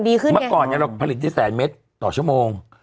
พอเดี๋ยวพลิตท้ายแสนเม็ดต่อชั่วโมง